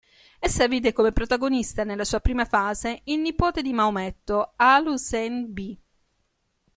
Essa vide come protagonista nella sua prima fase il nipote di Maometto, al-Ḥusayn b.